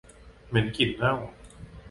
เหมือนกลิ่นเน่า